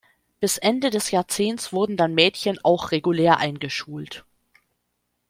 Bis Ende des Jahrzehnts wurden dann Mädchen auch regulär eingeschult.